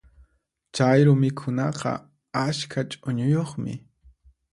Chayru mikhunaqa askha ch'uñuyuqmi.